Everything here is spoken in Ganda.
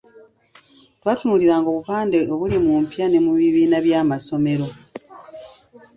Twatunuuliranga obupande obuli mu mpya ne mu bibiina bya amasomero.